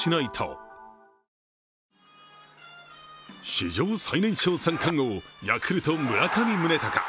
史上最年少三冠王ヤクルト・村上宗隆。